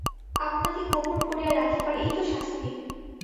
আপনাকে গোপন করিয়া রাখিবার এই তো শাস্তি!